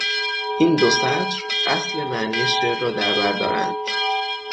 این دو سطر اصل معنی شعر را در بر دارند.